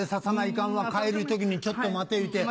かんわ帰る時にちょっと待て言うて。